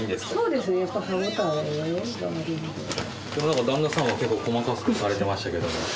でも旦那さんは結構細かくされてましたけども。